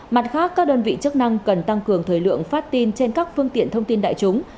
mặt khác các đơn vị chức năng cần tăng cường thời lượng phát tin trên các phương tiện thông tin đại chúng